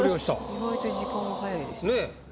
意外と時間が早いですね。